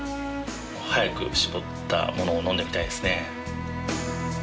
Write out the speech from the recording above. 早く搾ったものを飲んでみたいですね。